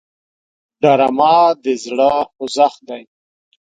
ډرامه د زړه خوځښت دی